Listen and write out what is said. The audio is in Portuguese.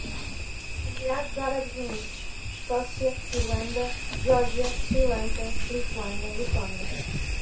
Emirados Árabes Unidos, Escócia, Irlanda, Geórgia, Sri Lanka, Lituânia, Letônia